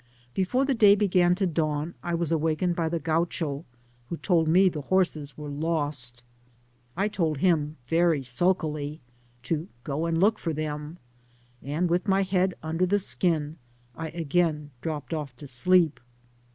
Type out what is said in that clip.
Before the day began to dawn I was awakened by the Gkiucho, who told me the horses were lost. I dedired hito very sulkily to go and look for them, and, with my head under the skin, I again dropped off to sleep.